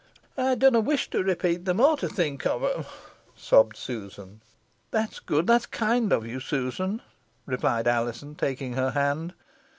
"Ey dunna wish to repeat them, or to think of em," sobbed Susan. "That's good, that's kind of you, Susan," replied Alizon, taking her hand.